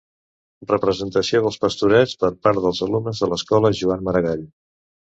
Representació dels Pastorets per part dels alumnes de l'escola Joan Maragall.